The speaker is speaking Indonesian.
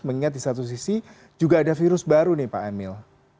mengingat di satu sisi juga ada virus baru nih pak emil